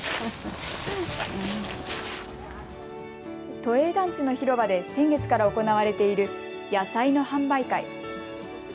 都営団地の広場で先月から行われている野菜の販売会。